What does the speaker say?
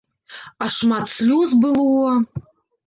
А шмат слёз было!